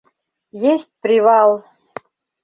Есть привал!